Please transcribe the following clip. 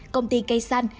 công ty cây xanh